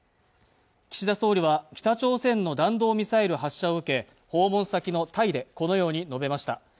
岸田総理は北朝鮮の弾道ミサイル発射を受け訪問先のタイでこのように述べました